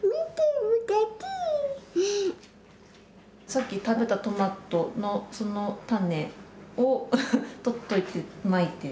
さっき食べたトマトのその種を取っといてまいて